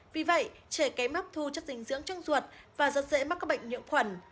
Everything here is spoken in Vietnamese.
vì vậy trẻ kém mắc thu chất dinh dưỡng trong ruột và rất dễ mắc các bệnh nhiễm khuẩn